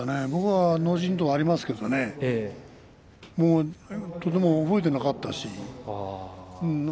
僕も脳震とう、ありますけれどとても覚えてなかったし。